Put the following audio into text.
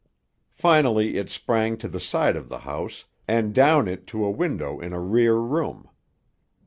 Finally it sprang to the side of the house, and down it to a window in a rear room.